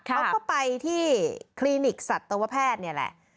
เขาก็ไปที่คลินิกสัตวแพทย์นี่แหละ